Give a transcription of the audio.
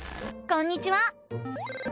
こんにちは！